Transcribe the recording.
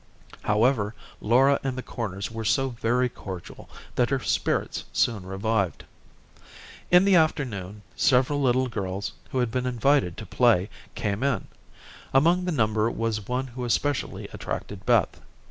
However, Laura and the Corners were so very cordial that her spirits soon revived. In the afternoon several little girls, who had been invited to play, came in. Among the number was one who especially attracted Beth.